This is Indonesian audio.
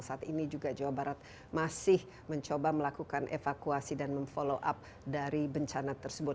saat ini juga jawa barat masih mencoba melakukan evakuasi dan memfollow up dari bencana tersebut